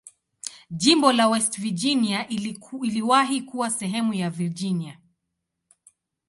Jimbo la West Virginia iliwahi kuwa sehemu ya Virginia.